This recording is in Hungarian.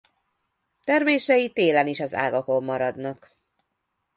Termései télen is az ágakon maradnak.